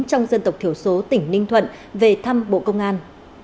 trong dân tộc thiểu số tỉnh ninh thuận về thăm bộ công an